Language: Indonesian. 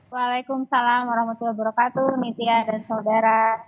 waalaikumsalam warahmatullahi wabarakatuh nintia dan saudara